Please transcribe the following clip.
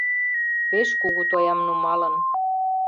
Пеш кугу тоям нумалын...